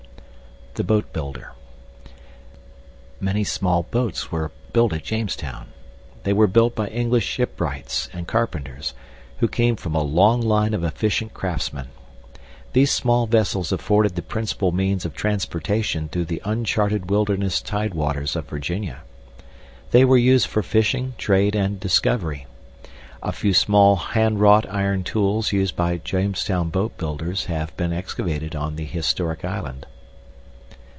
THE BOATBUILDER Many small boats were built at Jamestown. They were built by English shipwrights and carpenters, who came from a long line of efficient craftsmen. These small vessels afforded the principal means of transportation through the uncharted wilderness tidewaters of Virginia. They were used for fishing, trade, and discovery. A few small handwrought iron tools used by Jamestown boatbuilders have been excavated on the historic island.